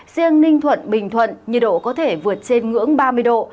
riêng ninh thuận bình thuận nhiệt độ có thể vượt trên ngưỡng ba mươi độ